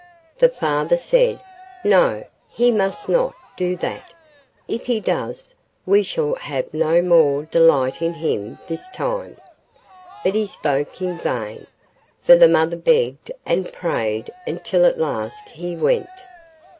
The father said, 'No; he must not do that, for if he does we shall have no more delight in him this time;' but he spoke in vain, for the mother begged and prayed until at last he went.